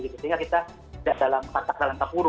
sehingga kita tidak dalam pasangan takur